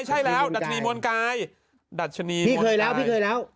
ใช่แล้วดัชนีมวลกายดัชนีพี่เคยแล้วพี่เคยแล้ว